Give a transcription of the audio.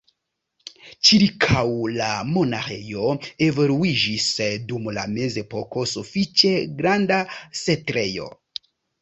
Ĉirkaŭ la monaĥejo evoluiĝis dum la mezepoko sufiĉe granda setlejo.